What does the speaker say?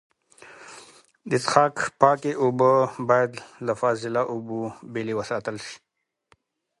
د څښاک پاکې اوبه باید له فاضله اوبو بېلې وساتل سي.